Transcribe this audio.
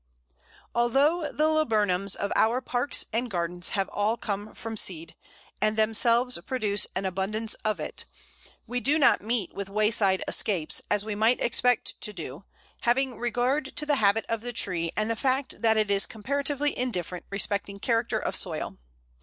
Although the Laburnums of our parks and gardens have all come from seed, and themselves produce an abundance of it, we do not meet with wayside "escapes" as we might expect to do, having regard to the habit of the tree and the fact that it is comparatively indifferent respecting character of soil.